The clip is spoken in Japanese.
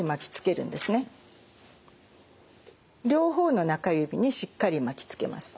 両方の中指にしっかり巻きつけます。